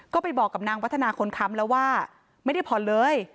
ก็ไปบอกกับนางวัฒนาคนค้ำแล้วว่าไม่ได้ผ่อนเลย